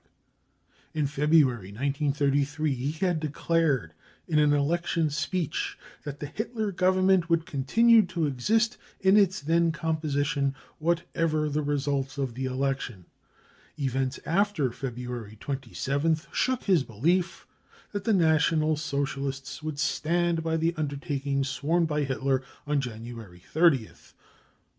In February 1933 he had declared in an election speech that the Hitler Government would continue to exist* in its then composition, whatever the results of the election. Events after February 27th shook his belief that the National f r THE REAL INCENDIARIES 127 I Socialists would stand by the undertaking sworn by Hitler on January 30th. Dr.